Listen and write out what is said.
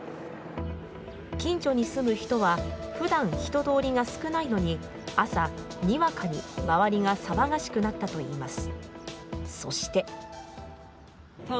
近所に住む人は、ふだん人通りが少ないのに朝、にわかに周りが騒がしくなったといいます。